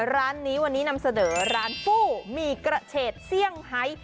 ร้านนี้วันนี้นำเสนอร้านฟู้หมี่กระเฉดเซี่ยงไฮ